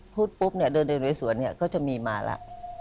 พูดปุ๊บเนี่ยเดินเร่สวนเนี่ยก็จะมีมาแล้ว